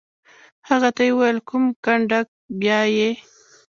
هغه ته یې وویل: کوم کنډک؟ بیا یې.